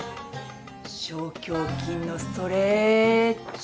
小胸筋のストレッチ。